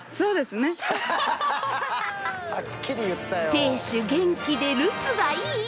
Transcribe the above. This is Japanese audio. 亭主元気で留守がいい。